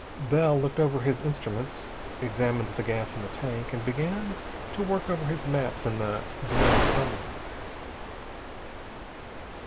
Bell looked over his instruments, examined the gas in the tank, and began to work over his maps in the blaring sunlight.